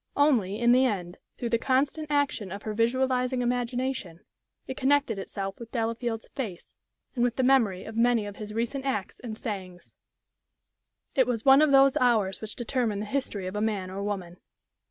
Only, in the end, through the constant action of her visualizing imagination, it connected itself with Delafield's face, and with the memory of many of his recent acts and sayings. It was one of those hours which determine the history of a man or woman.